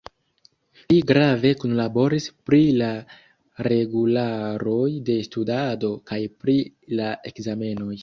Li grave kunlaboris pri la regularoj de studado kaj pri la ekzamenoj.